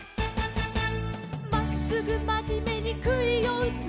「まっすぐまじめにくいをうつ」